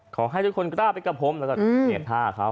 ขอให้ทุกคนกล้าไปกับผมแล้วก็เหยียดท่าเขา